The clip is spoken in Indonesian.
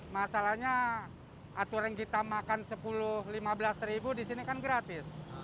masalahnya aturan kita makan sepuluh lima belas ribu di sini kan gratis